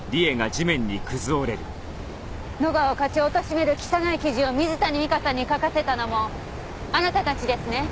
野川課長を貶める汚い記事を水谷美香さんに書かせたのもあなたたちですね？